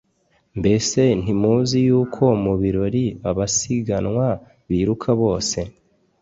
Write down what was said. mbese ntimuzi yuko mu birori abasiganwa biruka bose